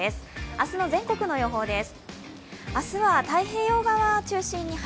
明日の全国の予報です。